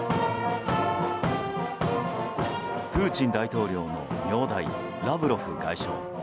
プーチン大統領の名代ラブロフ外相。